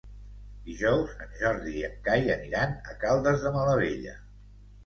Dijous en Jordi i en Cai aniran a Caldes de Malavella.